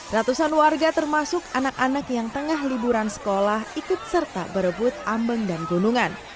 ratusan warga termasuk anak anak yang tengah liburan sekolah ikut serta berebut ambang dan gunungan